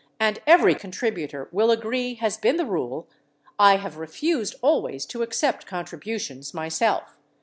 619 every contributor will agree has been the rule — I have re fused always to accept contributions myself.